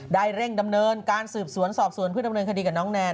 ได้เร่งดำเนินการสืบสวนสอบสวนเพื่อดำเนินคดีกับน้องแนน